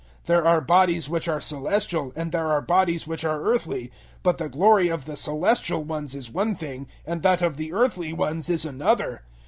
015:040 There are bodies which are celestial and there are bodies which are earthly, but the glory of the celestial ones is one thing, and that of the earthly ones is another.